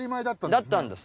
だったんです。